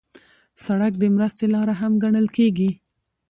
سړک د مرستې لاره هم ګڼل کېږي.